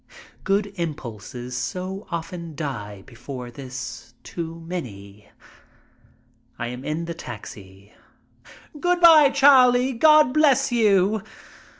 Good impulses so often die before this "too many." I am in the taxi. "Good by, Charlie! God bless you!"